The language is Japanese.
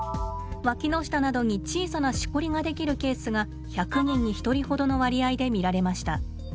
わきの下などに小さなしこりが出来るケースが１００人に１人ほどの割合で見られました。